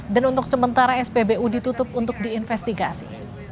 dan untuk sementara spbu ditutup untuk diinvestigasi